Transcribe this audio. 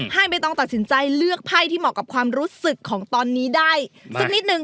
ไม่ต้องตัดสินใจเลือกไพ่ที่เหมาะกับความรู้สึกของตอนนี้ได้สักนิดนึง